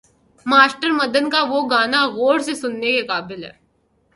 Master Madan کا وہ گانا غور سے سننے کے قابل ہے۔